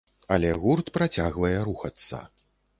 Але гурт працягвае рухацца.